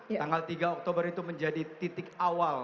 tanggal tiga oktober itu menjadi titik awal